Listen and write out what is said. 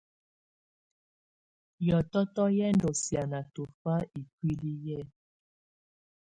Hiɔtɔtɔ hɛ̀ ndù siana tɔfa ikuili yɛ.